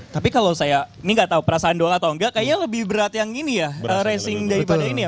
tapi kalau saya ini nggak tahu perasaan doang atau enggak kayaknya lebih berat yang ini ya racing daripada ini ya